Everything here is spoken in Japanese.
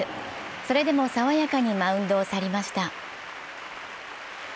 それでも爽やかにマウンドを去りました。